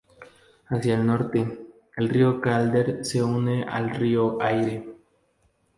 Hacia el norte, el río Calder se une al río Aire.